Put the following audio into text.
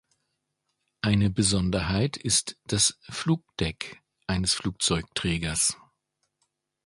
Eine Besonderheit ist das "Flugdeck" eines Flugzeugträgers.